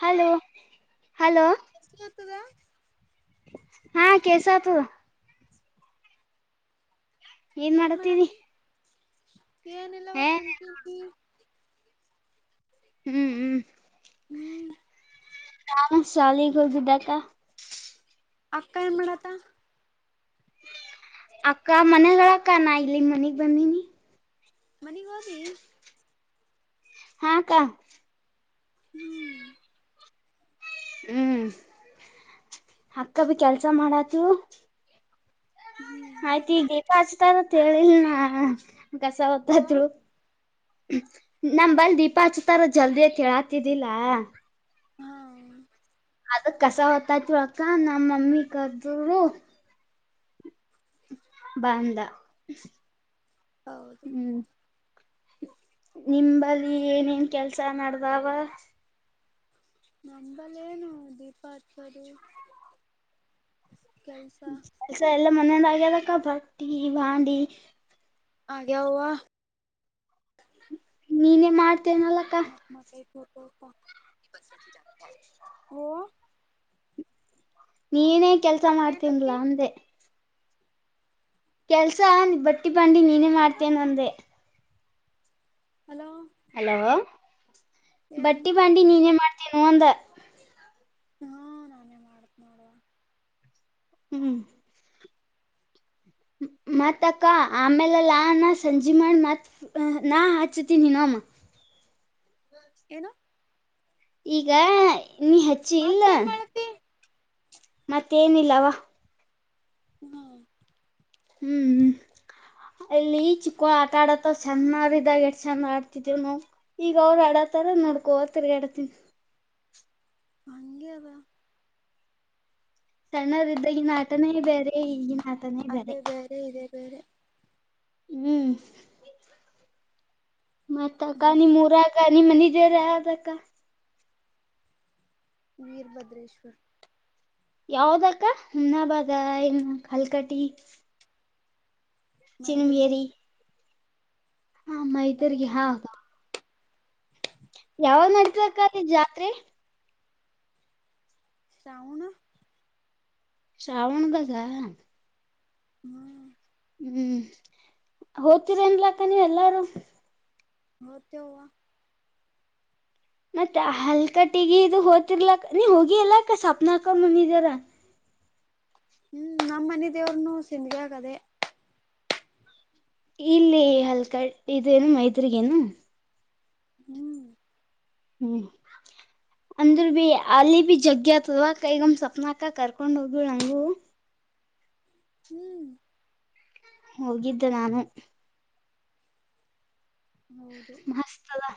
Hello hello ಎಷ್ಟತದ ಹಾ ಕಸತು ಏನ್ ಮಾಡತೀರಿ ಏನಿಲ್ಲವ್ವ ಕುಂತೀನಿ ಹ್ಮ್ ಹ್ಮ್ ಹ್ಮ್ ನಾಾನ ಶಾಲೆಗೆ ಹೋಗಿದ್ದಕ್ಕ ಅಕ್ಕಾಯ ಮಡತ ಅಕ್ಕ ಮನಗಳ ಅಕ್ಕ ನ ಇಲ್ಲಿಗ್ ಮನೆಗ್ ಬಂದೀನಿ ಮನೆಗ್ ಹಓದಿ ಹಾಕ್ಕಾ ಹ ಹ್ಮ್ ಅಕ್ಕ ಬಿ ಕೆಲ್ಸ ಮಾಡಾತು ಆಯ್ತ ಈ ಹ್ಮ್ ಗೇಪ ಹಚ್ತದತ್ ಹೇಳಿಲ್ನಾ ಕಸ ಓ ಹೊತ್ತಾದ್ರು ನಮ ಬಲ್ ದೀಪಾ ಹಚುತಾರ ಜಲ್ದಿಯ ಕೇಳಾತಿದ್ದಿಲ್ಲ ಹ್ಮ ಅದ ಕಸ ಹೊತ್ತಾಯತ್ ಅಕ್ಕ ನಮ್ಮ ಮಮ್ಮಿ ಕರ್ದರು ಬಂದ ಹೌದು ಹ್ಮ್ ನಿಂಬಲ್ಲಿ ಏನೇನ್ ಕೆಲ್ಸ ನಡ್ದಾವ ನಂಬಲ್ಲ ಏನು ದೀಪ ಹತ್ರಿ ಕೆಲಸ ಮನದೆ ಅಕ್ಕಾ ಬಟ್ಟಿ ಬಾಂಡಿ ಆಗ [unintelligible] ನೀನೇ ಮಾಡ್ [unintelligible] [unintelligible] ನೀನೇ ಕೆಲ್ಸ ಏನಂತಿ ಮಾಡ್ತೀನ್ಲಾ ಅಂದೆ ಕೆಲ್ಸಾ ಬಟ್ಟಿ ಬಂಡಿ ನೀನೇ ಹಿಂಗ ಮಾಡ್ತೇನ್ ಒಂದೆ ಹಲೋ ಹಲೋ ಬಟ್ಟಿ ಏನಂದಿ ಬಾಂಡಿ ನೀನೇನ್ ಮಾಡ್ತೀನು ಅಂದ ಹಾ ನಾನೇ ಮಾಡತ್ ನೋಡ ಹ್ಮ್ ಮತ್ತ ಅಕ್ಕ ಆಮೇಲೆಲ್ಲಾ ನ ಸಂಜೆ ಮಾಡಿ ಮತ್ ನಾ ಹಚ್ತೀನಿ ನ ಹ [unintelligible] ಏನು ಈಗ ನೀ ಹಚ್ಚಿ ಇಲ್ಲ ಮತ್ತೇನ್ ಮಾಡತಿ ಮತ್ತೇನಿಲ್ಲವಾ ಹ್ಮ್ ಹ್ಮ್ ಹ್ಮ್ ಅಲ್ಲಿ ಚಿಕ್ಕ ಆಟ ಆಡತ್ತವ ಚೆಂದ ಇದಾಗ ಎ ಚಂದ ಆಡ್ತಿದೇವ್ ನಾವವು ಈಗ ಅವ್ರು ಆಡ ಆ ತರ ನೋಡ್ಕೋ ತಿರ್ಗ ಆಡಡ್ತೀನಿ ಮಂಗಿಯದಾ ಸಣ್ಣವ್ರ್ದ ಈಿನ ಆಟನೇ ಬೇರೆ ಈಗಿನ ಆಟನೇ ಬೇರೆ ಅದೇ ಇದೇ ಬೇರೆ ಹ್ಮ್ ಮತ್ತಕ್ಕ ಹ್ಮ್ ನಿ ಮೂರ ಅಕ್ಕ ನಿಮ್ಮ ಮನಿ ದೇವ್ರು ಯಾವದಕ್ಕ ವೀರ್ಭದ್ರೇಶ್ವರ್ ಯಾವ್ದಕ್ಕ ಹನ್ನಬಾರ ಏನ ಕಲ್ಕಟಿ ಮೈದರ್ಗಿ ಚಿನಿಯರಿ ಹ ಮೈದಗ ಹಾ ಮೈದರ್ಗಿ ಯಾವಗಾ ನಡಿತದಕ ಈ ಜಾತ್ರೆ ಶ್ರಾವಣ ಶ್ರಾವಣ ದಾಗ ಹ್ಮ್ [unintelligible] ಹ್ಮ್ ಹೋಗದ್ತೀರ ಅನ್ಲಕ್ಕ ನೀ್ ಎಲ್ಲಾರು ಹತ್ತ ಹ [unintelligible] ಮತ್ತೆ ಹಲ್ಕಟ್ಟಿಗ ಇ ಹೋತಿರ್ಲಾಕ್ಕ ನೀ ಹೋಗಿ ಎಲ್ಲಾಕ್ಕ ಸ್ವಪ್ನ ಹಾಕ ಮುಂದಿದಾರ ಹ್ಮ್ ನಮ್ಮ್ ಮನೆ ದೇವ್ರನು ಸಿಿಂದಗ ಆಗದೆೇ ಇಲ್ಲಿ ಹಲ್ಕ ಇದೇನು ಮೈದರಿಗೇನು ಹ್ಮ್ [unintelligible] ಹ್ಮ್ ಅಂದ್ರ ಬಿ ಅಲ್ಲಿ ಬಿ ಜಗ್ಗಿ ಆತದವಾ ಅಕ್ಕ ಸ್ವಪ್ನ ಅಕ್ಕ ಕರ್ಕೊಂಡ ಹೋಗ್ಳ ನಂಗು ಹ್ಮ್ ಹೋಗಿದ್ದೆ ನಾನು ಮಸ್ತ್ ಅದ [inaudible]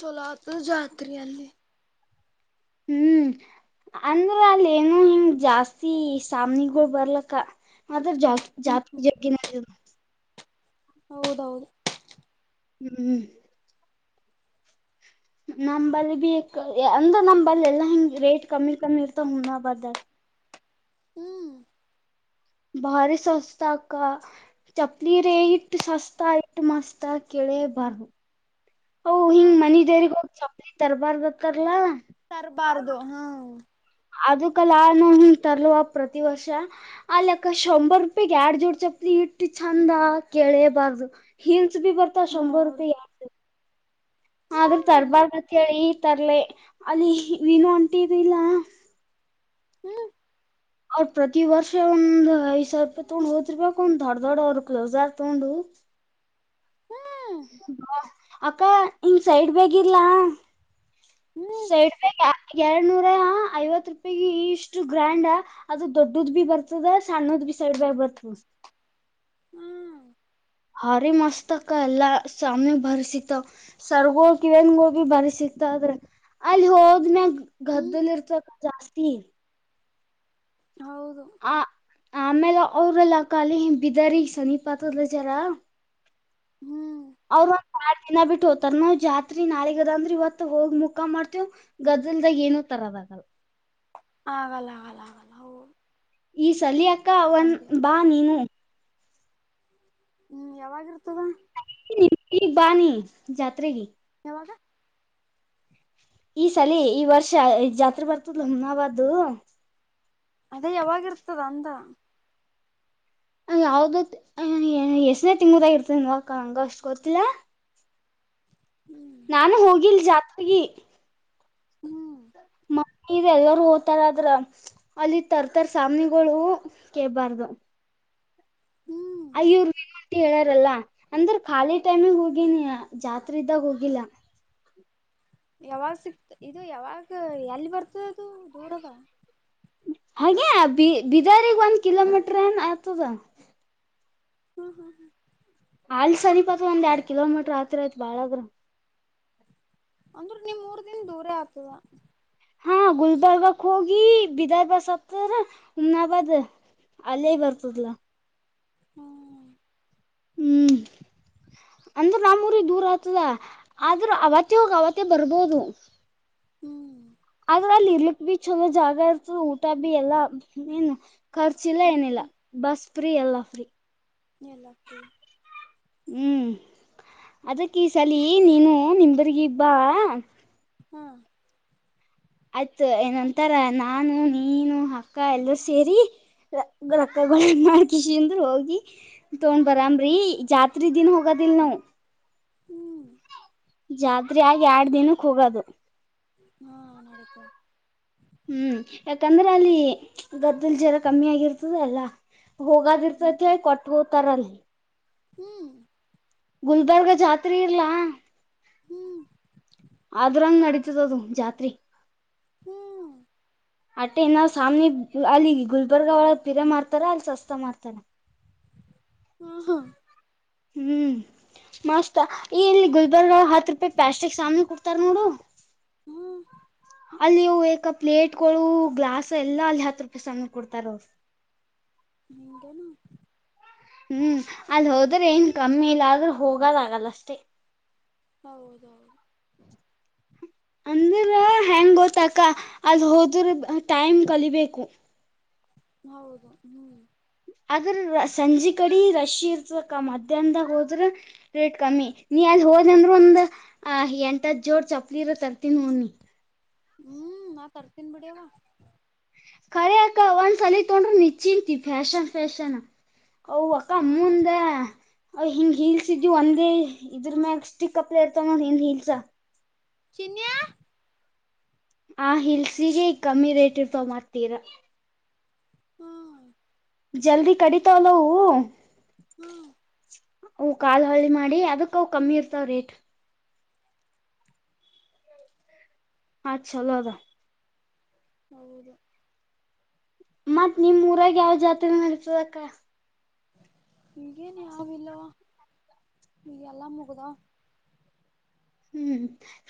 ಚಲೋ ಆತ ಜಾತ್ರಿಯಲ್ಲಿ ಹ್ಮ್ ಅಂದ್ರ ಅಲ್ಲ ನು ಹಿಂಗ ಜಾಸ್ತಿ ಸ್ವಾಮಿಗಳು ಬರ್ಲಕ್ಕ ಮ ಜ ಜ ಹ್ಮ್ ಜೋಗಿ [unintelligible] ಹೌದೌದು ಹ್ಮ್ ನಂಬಲ್ಲಿ ಬಿ ಅಂದ್ರ ನಂಬಲ್ಲಿ ಎಲ್ಲಾ ಹಿಂಗ ರೇಟ್ ಕಮ್ಮಿ ಕಮ್ಮಿ ಇರ್ತಾವ ಮುನಿರಾಬಾದ್ ದಾಗಾ. ಹ್ಮ್. ಬಾರಿ ಸಸ್ತ ಅಕ್ಕ ಚಪ್ಪಲಿ ರೇಟ್ ಸಸ್ತ ಇತ ಮಸ್ತ್ ಕೇಳ. ಲೇಬರ್ ಅವು ಹಾ ಹಿಂಗ್ ಮನ ದೇವಗ್ ಹೋಗಿ ಚಪ್ಪಲಿ ತರಬರದು ಅಂತಾರಲ್ಲ. ತರಬಾರ್ದು ಹ್ಮ್. ಅದಕಲ್ಲ ನೋ ಹ ತರ್ಲ್ವ ಪ್ರತಿ ವರ್ಷ ಅಲ್ಲಕ್ಕ ಶಂಬರ್ ರೂಪಾಯ ಯಾಡ ಜೋಡ್ ಚೆಪಲಿ. ಇಟ್ಟು ಚಂದ ಕೆೇಳೇಬಾರ್ದು ಹಿಲ್ಸ್ ಬಿ ಬರ್ತ ಶಂಬರ್ ನೋಡು ರೂಪಾಯಿ ಗೆ. ಆದ್ರೂ ಹ್ಮ್ ತರ್ಬಾರ್ದ ಅಂತೇಳಿ ತರ್ಲೆ ಅಲ್ಲಿ ನೀನು ಒಂಟಿದಿಲ್ಲ. ಹ್ಮ್. ಅವ್ರ ಪ್ರತಿ ವರ್ಷ ಒಂದ್ ಐದ ಸಾವಿರ ರೂಪಾಯಿ ತಗೊಂಡು ಹೋಗತ ಇರಬೇಕು ಒಂದ್ ದೊಡ್ಡ ದೊಡ್ಡ ಅವರು ಕ್ಲೋಸರ್ ತಗೊಂಡು. [inaudible] ಹ್ಮ್ ಅಕ್ಕ ಇಂಗ ಸೈಡ್ ಬೇಗ ಇರಲ್ಲ. ಹ್ಮ್ ಸೈಡ್ ಬ್ಯಾಗ್ ಯ. ಎರಡ್ ನೂರ ಐವತ ರೂಪಾಯಿಗೆ ಇಷ್ಟು ಗ್ರ್ಯಾಂಡ್ ಅದು ದೊಡ್ಡದ ಬಿ ಬರ್ತದ ಸಣ್ಣದ ಬಿ. ಸೈಡ್ ಬ್ಯಾಗ್ ಬರ್ತ. [unintelligible] ಹ್ಮ್ ಬಾರಿ ಮಸ್ತಕ್ಕ ಎಲ್ಲಾ ಸ್ವಾಮಿ ಬಾರಿ ಸಿಗ್ತವ ಸರಗಳು ಕಿವನ್ಗೋಳ ಬಾರಿ ಸಿಗ್ತವ. [unintelligible] ಅಲ್ಲಿ ಹೋದನಾಗ ಗದ್ದಲ್ ಹ್ಮ್ ಇರ್ತ ಜಾಸ್ತಿ. ಹೌದು. ಆ ಆಮೇಲೆ ಅವ್ರಲ್ಲ ಕಖಾಲಿ ಬಿದಾರಿ ಸನಿ ಪಾತದ ಅಲ್ಲ ಜರ. ಹ್ಮ್. ಅವ್ರ ಒಂದ್ ಆಡ್ ದಿನ ಬಿಟ್ಟು ಹೋಗತಾರ ನಾವು ಜಾತ್ರಿ ನಾಳೆ ಆದ ಅಂದ್ರ ಇವತ್ತು ಹೋಗ ಮುಕ್ಕಾ ಮಾಡ್ತೇವ ಗದ. ಗದಲದಾಗ ಏನೂ ತರದಾಗಲ್ಲ. ಆಗಲ್ಲ ಆಗಲ್ಲ ಆಗಲ್ಲ. ಈ ಸಲ ಅಕ್ಕ ಹಂಗೆ ನೀ ಬಾ ನೀನು. ಹ್ಮ್ ಯಾವಾಗ ಇರತದ ಏನು. ನೀ ಈಗ ಬಾ ನಿ ಜಾತ್ರೆಗೆ. ಯಾವಾಗ. ಈ ಸಲ ಈ ವರ್ಷ್ ಜಾತ್ರೆ ಬರ್ತದ್ ಅಲ್ಲ ಮುನಿರಾಬಾದ ದು. ಅದೇ ಯಾವಾಗ ಇರ್ತದ ಅಂದ. ಯಾವ್ದ ಎಷ್ಟನೇ ತಿಂಗಳ ದಾಗ ಇರತದ ಏನ ನನಗ ಅಷ್ಟ್ ಗೊತ್ತಿಲ್ಲ. ಹ್ಮ್ ನಾನು ಹೋಗಿಲ್ ಜಾತ್ರೆಗೆ. [inaudible] ಮತ ಎಲ್ಲಾರೂ ಹೋಗತಾರ ಅಲ್ಲಿ ತರ್ತರ್ ಸಾಮನಗಳು ಕೇಳಬಾರದು. ಹ್ಮ್ ಐಯ ಇವರು ಪೇಮೆಂಟ್ ಹೇಳಾರಲ್ಲ ಅಂದ್ರೆ ಖಾಲಿ ಟೈಮಗ್ ಹೋಗೇನಿ ಜಾತ್ರೆ ಇದ್ದಾಗ ಹೋಗಿಲ್ಲ. ಯಾವಾಗ ಸಿಕ್ತ ಇದು ಯಾವಾಗ ಎಲ್ಲಿ ಬರ್ತದ ಅದು ದೂರಾದ. ಹಾಗೆ ಬೀದಾರಗ್ ಒಂದ್ ಕಿಲೋಮೀಟ್ರ ಏನ್ ಆತದ. ಹ್ಮ್ ಹ್ಮ್ ಹ್ಮ್. ಅಲೆ ಸಮಿಪ ಅತದ ಒಂದ್ ಎರಡ್ ಕಿಲೋಮೀಟರ್ ಅತ್ರಿ ಆಯ್ತು ಬಾಳ ಅಂದ್ರ. ಅಂದ್ರೆ ನೀಮ್ ಊರ ದಿಂದ ದೂರ ಆಗ್ತದ. ಹ್ಮ್ಮ್ ಗುಲಬರ್ಗಕ ಹೋಗಿ ಬೀದರ್ ಬಸ್ಸು ಹತ್ತಿರದ ಹುಮನಾಬಾದ. ಅಲ್ಲಿ ಬರ್ತದಲ್ಲ. ಹ್ಮ್. ಹ್ಮ್ ಅಂದ್ರ ನಮ್ಮೂರಗೆ ದೂರ ಆತದ ಆದ್ರ ಅವತ್ತ ಹೋಗಿ ಅವತ್ತ ಬರ್ಬೋದು. ಹ್ಮ್. ಆದ್ರ ಅಲ್ಲಿ ಇರ್ಲಿಕ್ ಬಿ ಛಲೋ ಜಾಗ ಇರ್ತದ ಊಟ ಬಿ ಎಲ್ಲಾ ಏನು. ಖರ್ಚ ಇಲ್ಲ ಹ್ಮ್ ಏನಿಲ್ಲ ಹ್ಮ್ ಬಸ್ ಫ್ರೀ ಎಲ್ಲ ಫ್ರೀ. ಎಲ್ಲ ಫ್ರೀ. ಹ್ಮ್ ಅದಕ್ಕ ಈ ಸಲಿ ನೀನು ನಿಬರಿಗಿ ಬ್ಬಾ. ಹ್ಮ. ಆಯ್ತು ಏನಂತಾರ ನಾನು ನೀನು ಅಕ್ಕ ಎಲ್ಲರೂ ಸೇರಿ ರೊಕ್ಕ ಮಾಡ್ಕಿಸ ಅಂದ್ರ ಹೋಗಿ ತಗೊಂಡ್ ಬರಾಮ್ರಿ ಜಾತ್ ದಿನ ಹೋಗತ್ ತಿನ್ನು ಹ್ಮ್ ಜಾತ್ರೆ ಆಗಿ ಎರಡ್ ದಿನಕ್ಕೆ ಹೋಗೋದು ಹಾ ನಡಿತ ಹ್ಮ್ ಯಾಕಂದ್ರೆ ಅಲ್ಲಿ ಗದ್ದಲ್ ಜ್ವರ ಕಮ್ಮಿ ಆಗಿರ್ತದೆ ಅಲ್ಲ ಹ್ಮ್ ಹೋಗದಿರ್ತತಿ ಕೊಟ್ಟ ಹೋತಾರಲ್ಲಿ ಹ್ಮ್ ಗುಲ್ಬರ್ಗ ಜಾತ್ರೆ ಇರ್ಲಾ ಹ್ಮ್ ಅದರಂಗ ನಡಿತದುು ಜತ್ರಿ ಹ್ಮ್ ಅಟ್ಟೆ ನಾವ್ ಸಾಮ್ ಅಲ್ಲಿ ಗುಲ್ಬರ್ಗಾ ಒಳ ಪಿರ ಮ್ತಾರ ಅಲ್ಲಿ ಸಸ್ತ ಮ್ತಾರ ಹ್ಮ ಹಾ ಹ್ಮ್ ಮಸ್ತ್ ಈ ಇಲ್ಲಿ ಗುಲ್ಬರ್ಗ ಹತ್ ರೂಪಾಯಿ ಪ್ಯಾಸ್ಟಿಕ್ ಸಾಮನ್ ಕೊಡ್ತಾರ ನೋಡು ಹಾ ಅಲ್ಲಿ ಏಕ ಪ್ಲೇಟ್ಗಳು ಗ್ಲಾಸ್ ಎಲ್ಲಾ ಅಲ್ಲಿ ಹತ್ತು ರೂಪಾಯಿ ಸಮಯ ಕೊಡ್ತಾರ ಅವ ನಿಗೆನು ಹ್ಮ್ ಅಲ್ಲಿ ಹೋದ್ರೆ ಏನ್ ಕಮ್ಮಿ ಇಲ್ಲ ಆದ್ರೂ ಹೋಗದ ಆಗಲ್ಲ ಅಷ್ಟೇ ಹೌದೌದು ಅಂದ್ರ ಹಯಾಂಗ ಓತಕ್ಕ ಅದು ಹೋದ್ರ ಟೈಮ್ ಕಲಿಬೇಕು ಹೌದು ಹ್ಮ್ ಆದದ್ರ ಸಂಜೆ ಕಡೆ ರ ಮ ಹ ಕ ಹ್ರ ಎಂಟಾದ್ ಜೋಡ್ ಚಪ್ಲಿರ ತರ್ತೀನ ಹನಿ ಹ್ಮ್ ನಾ ತರ್ತೀನ್ ಬಿಿಡವ ಕರೆ ಅಕ್ಕ ಒಂದ್ಸಲ ತೊೊಂಡ್ರರು ನಿ್ಿಂತ ಫ್ಯಾಷನ್ ಫ್ಯಾಶನ್ ಅವ್ ಅಕ್ಕ ಹಾ ಮುಂದ ಅ ಹಿಂಗ್ ಹಿಲ್ಸ್ ಇದವಿ ಒಂದೇ ಇದ್ರ ಮ್ಯಾಗ ಸಿಕ್ ಅಪ್ಲ ಇರ್ತವ ನೋ ಹಿಂದ್ ಹಿಲ್ಸ ಚಿನ್ನಿಯಾ ಆ ಹಿಲ್ಸಿಗೆ ಕಮ್ಮಿ ರೇಟ್ ಇರ್ತ ಮಾಡ್ತೀರ ಹ್ಮ ಜಲ್ದಿ ಕಡಿತ ಹಲೋ ಹ ಹ್ಮ್ ಅವು ಕಾಲ್ ಹಳ್ಳಿ ಮಾಡಿ ಅದಕ್ಕವು ಕಮ್ಮಿ ಇರ್ತಾವ ರೇಟ್ ಅಚ್ಚಾಲ್ಲಾದಾ ಹೌದು ಮತ್ ನಿಮ್ ಊರಾಗ ಯಾವ ಜಾತ್ರೆ ನಡತದಕ್ಕ ಈಗೇನ್ ಯಾವ ಇಲ್ಲವಾ ನೀ ಎಲ್ಲ ಮುಗ್ದ ಹ್ಮ್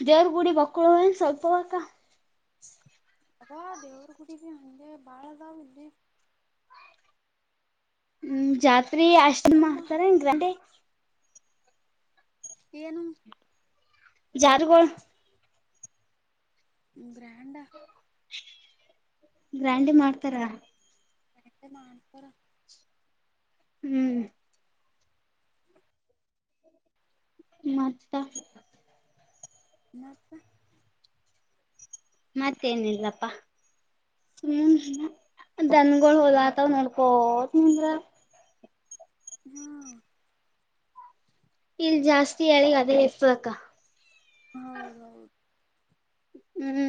ದೇವ್ರಗುಡಿ ಮಕ್ಕಳು ಏನ್ ಸ್ವಲ್ಪವಕ್ಕ ಅವಾ ದೇವರ ಕುಡಿ ಹಗೆ ಬಾಳೆದಾವ ಇಲ್ಲಿ ಹ್ಮ್ ಜಾತ್ರಿ ಅಷ್ಟ ಅಮ್ಮ ಮಾಡ್ತಾರ ನ್ ಏನು ಜಾರುಗೋಳ ಗ್ರ್ಯಾಂಡಾ ಗ್ರ್ಯಾಂಡಿ ಮಾಡ್ತಾರಾ ನಕ್ಕೆ ಮಾಲ್ಪುರ ಹ್ಮ್ ಮದ ಮತ್ತ ಮತ್ತೇನಲಲ್ಲಪ್ಪ ಹ್ಮ್ ಜನ್ಗಳು ಹಲಾ ಅತಾವ ನೋಡ್ಕೋತ ಹ್ಮ ಇಲ್ ಜಾಸ್ತಿ ಹೇಳಿಗ್ ಅದೇ ಹೆಚಕ್ಕ. ಹೌದೌದು. ಹ್ಮ್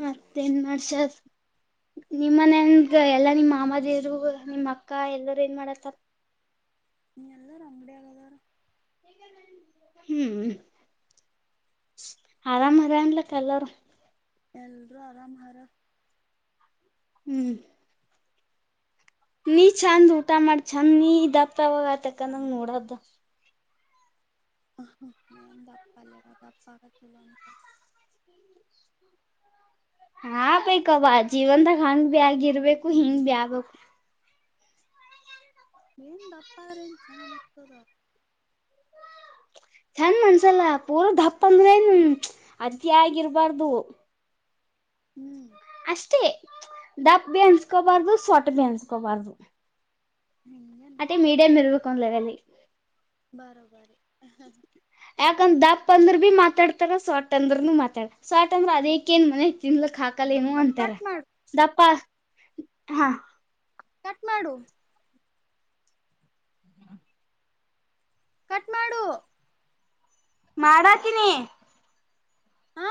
ಮತ್ತೇನ್ ಮಾಡ್ಸ ನಿಮ್ಮನನ್ ಎಲ್ಲಾ ನಿಮ್ಮ್ ಮಾಮದೇರು ನಿಮ್ಮ್ ಅಕ್ಕ ಎಲ್ಲರು ಏನ್ ಮಾಡತ್ತಾರ. ನೀ ಎಲ್ಲರೂ ಅಂಗಡಾಗದಾರ. ಹ್ಮ್ ಆರಾಮದಾನಲ್ಲಕ್ಕ ಎಲ್ಲರು. ಎಲ್ರೂ ಆರಾಮಾರ. ಹ್ಮ್ ನೀ ಚಂದ್ ಊಟ ಮಾಡ ಚಂದ್ ನೀ ದಪ್ತಾವಾಗ ಆತಕಂದಂಗ ನೋಡದು. ಅಂದ ಅಪ್ಪಾಲ್ಲ ಬ ಅಪ್ಪಾ [unintelligible] ಹಾ ಬೈಕಬ ಜೀವನ್ದಾಗ ಹಂಗ್ ಭ್ಯಾ ಆಗಿರ್ಬೇಕು ಹಿಂಗ್ ಭ ಆಗ್ಬೇಕು. ನೀ ದಪ್ಪ ಆದ್ರೆ ಚಲೋ ಅನಿಸ್ತದ. ಚಂದ ಅಂದ್ಸಲ ಪೂರ್ದ್ಪ್ ಅಂದ್ರ ನ್ ಅತಿಯಾಗಿರ್ಬಾರ್ದು. ಹ್ಮ್ ಅಷ್ಟೇ ದಪ್ಪ ಬಿ ಅನ್ಸ್ಕೋಬಾರ್ದು ಸೊಟ ಭಿ ಅನ್ಸ್ಕೋಬಾರ್ದು. ಹ್ಮ್ ಅದೇ ಮೀಡಿಯಂ ಇರಬೇಕಂದ್ರಲ್ಲಿ. ಬರೋಬರಿ ಹ್ಮ. ಯಾಕಂದ ದಪ್ ಅಂದ್ರ ಬಿ ಮಾತಾಡ್ತಾರ ಸೊಟ್ ಅಂದ್ರನು ಮಾತಾಡ ಸೋರ್ಟ್ ಅಂದ್ರ ಅದಕ್ಕ ಏನ್ ಮನೆ ತಿನ್ಲಕ್ ಹಾಕ್ ಕಲಿನು ಸ್ವಲ್ಪ್ ಅಂತರ ಕಟ್ ಮಾಡು ದಪ್ಪ ಹಾ ಕಟ್ ಮಾಡು. ಕಟ್ ಮಾಡು. ಮಾಡಾತಿನಿ. ಹಾ